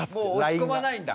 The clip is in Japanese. もう落ち込まないんだ。